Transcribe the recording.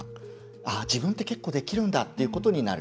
ああ、自分って、結構できるんだっていうことになる。